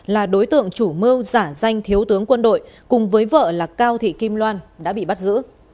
là đối tượng chủ mưu giả danh thiếu tướng quân đội cùng với vợ là cao thị kim loan đã bị bắt giữ